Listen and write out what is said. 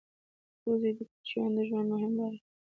وزې د کوچیانو د ژوند مهمه برخه ده